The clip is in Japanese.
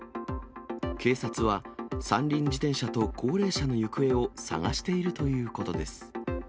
警察は、三輪自転車と高齢者の行方を捜しているということです。